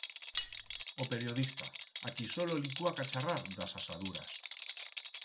O periodista, a qui solo li cuaca charrar d'as asaduras.